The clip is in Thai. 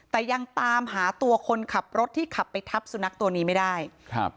แต่ยังตามหาตัวคนขับรถที่ขับไปทับสุนัขตัวนี้ไม่ได้ครับ